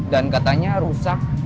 dan katanya rusak